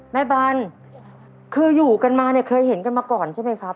บรรคืออยู่กันมาเนี่ยเคยเห็นกันมาก่อนใช่ไหมครับ